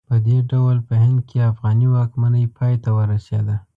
په دې ډول په هند کې افغاني واکمنۍ پای ته ورسېده.